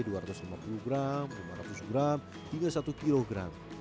dua ratus lima puluh gram lima ratus gram hingga satu kilogram